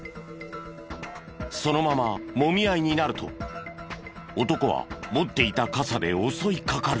そのままもみ合いになると男は持っていた傘で襲いかかる。